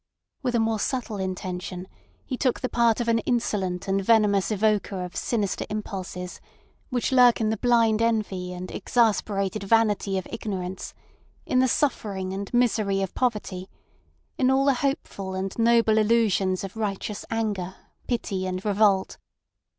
With a more subtle intention, he took the part of an insolent and venomous evoker of sinister impulses which lurk in the blind envy and exasperated vanity of ignorance, in the suffering and misery of poverty, in all the hopeful and noble illusions of righteous anger, pity, and revolt.